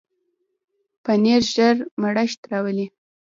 پنېر ژر مړښت راولي.